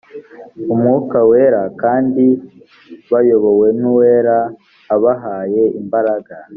umwuka wera kandi bayobowe n ‘uwera abahaye imbaraga